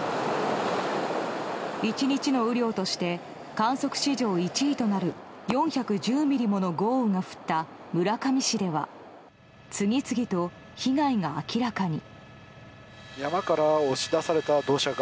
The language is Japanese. １日の雨量として観測史上１位となる４１０ミリもの豪雨が降った村上市では次々と被害が明らかに。